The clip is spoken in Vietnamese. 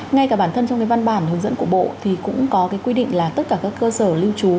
ngay cả bản thân trong cái văn bản hướng dẫn của bộ thì cũng có cái quy định là tất cả các cơ sở lưu trú